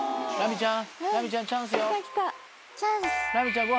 ラミちゃん